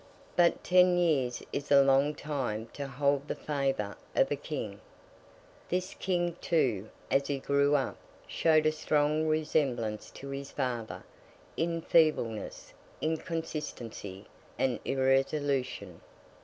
But ten years is a long time to hold the favour of a King. This King, too, as he grew up, showed a strong resemblance to his father, in feebleness, inconsistency, and irresolution.